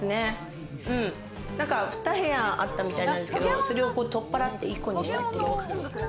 ２部屋あったみたいなんですけれども、それをとっぱらって１個にしたという感じ。